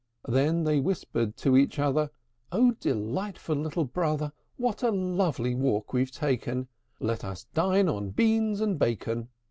V. Then they whispered to each other, "O delightful little brother, What a lovely walk we've taken! Let us dine on beans and bacon."